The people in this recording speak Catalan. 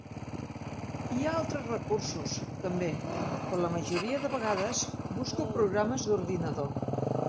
Hi ha altres recursos, també, però la majoria de vegades busco programes d'ordinador.